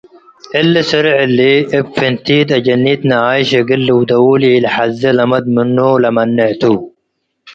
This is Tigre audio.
እሊ ስሬዕ እሊ እብ ፍንቲት አጀኒት ነአይሽ እግል ሊደዉ ለኢልትሐዜ ለመድ ምኑ ለመኔዕ ቱ።